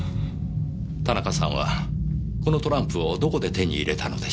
田中さんはこのトランプをどこで手に入れたのでしょう？